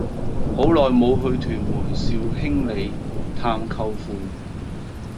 好耐無去屯門兆興里探舅父